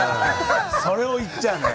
それを言っちゃね。